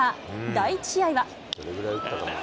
第１試合は。